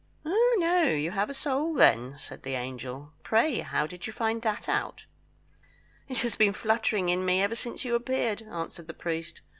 "Oh, no! You have a soul, then," said the angel. "Pray, how did you find that out?" "It has been fluttering in me ever since you appeared," answered the priest.